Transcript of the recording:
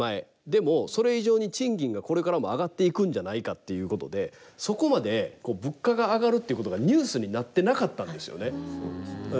でもそれ以上に賃金がこれからも上がっていくんじゃないかっていうことでそこまで物価が上がるっていうことがニュースになってなかったんですよね。